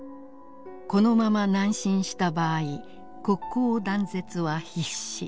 「このまま南進した場合国交断絶は必至」。